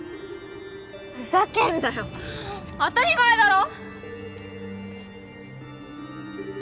ふざけんなよ当たり前だろ！